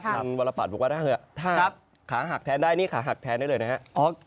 ถ้าขาหักแทนได้นี่ขาหักแทนได้เลยนะครับ